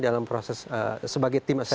dalam proses sebagai tim